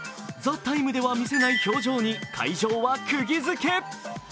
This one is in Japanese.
「ＴＨＥＴＩＭＥ，」では見せない表情に会場はクギづけ。